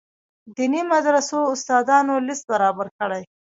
دیني مدرسو استادانو لست برابر کړي.